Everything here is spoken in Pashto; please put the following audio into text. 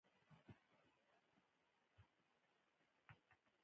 ځانګړې مطالعې له لارې یې ژور معلومات درلودل.